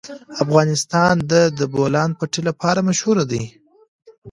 افغانستان د د بولان پټي لپاره مشهور دی.